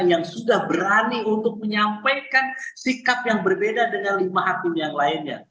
yang sudah berani untuk menyampaikan sikap yang berbeda dengan lima hakim yang lainnya